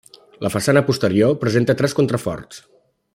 La façana posterior presenta tres contraforts.